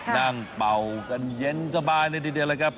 นั่งเบากันเย็นสบายเลยทีเดียวนะครับ